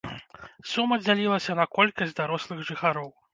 Сума дзялілася на колькасць дарослых жыхароў.